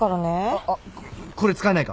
あっあっこれ使えないか？